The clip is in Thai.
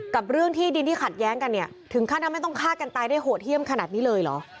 เรื่องที่ดินที่ขัดแย้งกันเนี่ยถึงขั้นทำให้ต้องฆ่ากันตายได้โหดเยี่ยมขนาดนี้เลยเหรอ